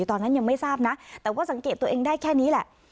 ตอนนั้นยังไม่ทราบนะแต่ว่าสังเกตตัวเองได้แค่นี้แหละ